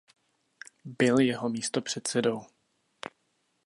Byl jeho místopředsedou.